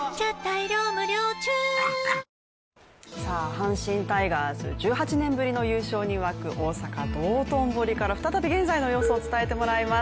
阪神タイガース、１８年ぶりの優勝に沸く大阪・道頓堀から再び現在の様子を伝えてもらいます。